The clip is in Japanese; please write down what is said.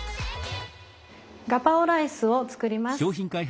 ガパオライスを作ります。